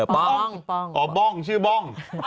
ป้องอ๋อบ้องชื่อบ้อง